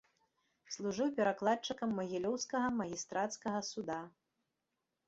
Служыў перакладчыкам магілёўскага магістрацкага суда.